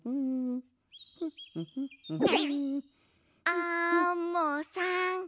アンモさん。